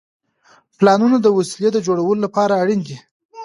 پلانونه د وسیلې د جوړولو لپاره اړین دي.